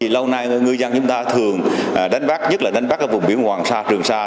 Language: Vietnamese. lâu nay người dân chúng ta thường đánh bắt nhất là đánh bắt vùng biển hoàng sa